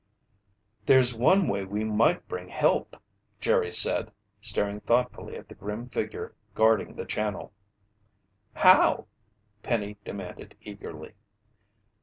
"There's one way we might bring help," Jerry said, staring thoughtfully at the grim figure guarding the channel. "How?" Penny demanded eagerly.